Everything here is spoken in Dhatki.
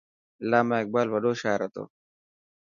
علامه اقبال وڏو شاعر هتو.